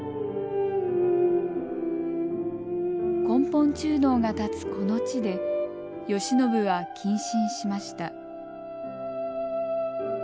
根本中堂が建つこの地で慶喜は謹慎しました。